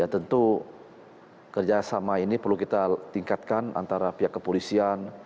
tentu kerjasama ini perlu kita tingkatkan antara pihak kepolisian